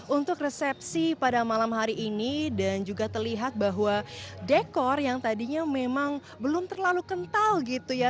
untuk resepsi pada malam hari ini dan juga terlihat bahwa dekor yang tadinya memang belum terlalu kental gitu ya